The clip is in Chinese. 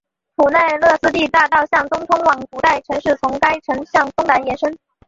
普奈勒斯蒂大道向东通往古代城市从该城向东南延伸。